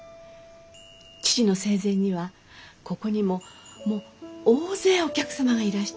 父の生前にはここにももう大勢お客様がいらして。